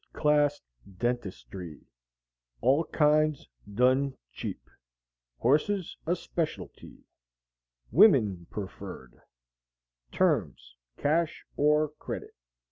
class dentestry All kinds dun cheap. Horses a specilty. Wimen prefured. TERMS CASH or credit.